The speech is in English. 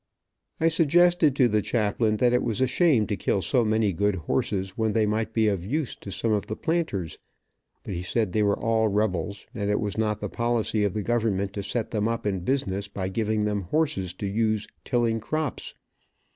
I suggested to the chaplain that it was a shame to kill so many good horses, when they might be of use to some of the planters, but he said they were all rebels, and it was not the policy of the government to set them up in business, by giving them horses to use tilling crops.